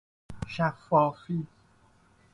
شفافی